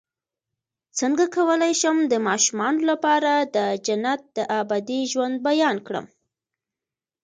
څنګه کولی شم د ماشومانو لپاره د جنت د ابدي ژوند بیان کړم